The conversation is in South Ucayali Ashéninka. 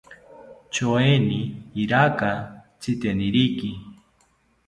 Choeni iraka tziteniriki